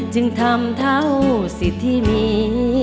จึงทำเท่าสิทธิ์ที่มี